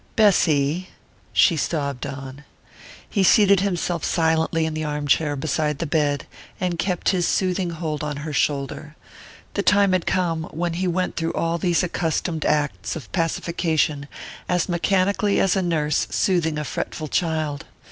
"Bessy " She sobbed on. He seated himself silently in the arm chair beside the bed, and kept his soothing hold on her shoulder. The time had come when he went through all these accustomed acts of pacification as mechanically as a nurse soothing a fretful child.